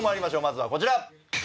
まずはこちら。